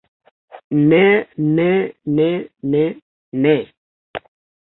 Ne ne ne ne. Ne.